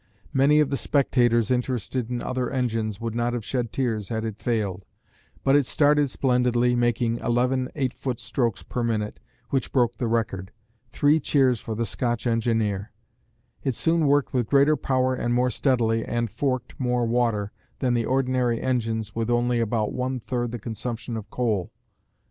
Many of the spectators interested in other engines would not have shed tears had it failed, but it started splendidly making eleven eight foot strokes per minute, which broke the record. Three cheers for the Scotch engineer! It soon worked with greater power and more steadily, and "forked" more water than the ordinary engines with only about one third the consumption of coal.